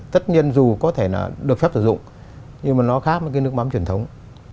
tất nhiên dù có thể là được phép sử dụng nhưng mà nó khác với cái nước mắm truyền thống